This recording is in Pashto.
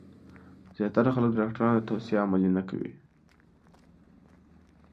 زیاتره خلک د ډاکټرانو توصیه عملي نه کوي.